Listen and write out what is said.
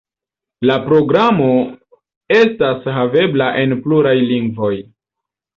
La programo estas havebla en pluraj lingvoj.